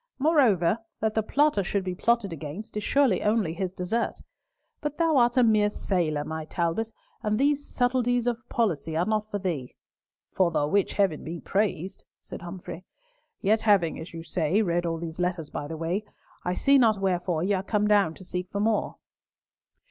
"Moreover, that the plotter should be plotted against is surely only his desert. But thou art a mere sailor, my Talbot, and these subtilties of policy are not for thee." "For the which Heaven be praised!" said Humfrey. "Yet having, as you say, read all these letters by the way, I see not wherefore ye are come down to seek for more."